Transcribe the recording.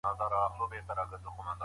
د تنفسي ناروغیو لاملونه څه دي؟